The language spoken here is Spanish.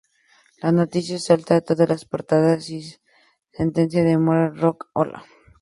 La noticia salta a todas las portadas y sentencia de muerte al Rock-Ola.